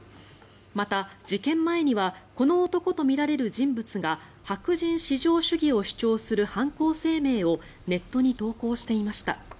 また、事件前にはこの男とみられる人物が白人至上主義を主張する犯行声明をネットに投稿していました。